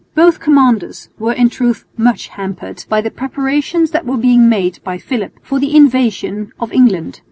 Both commanders were in truth much hampered by the preparations that were being made by Philip for the invasion of England.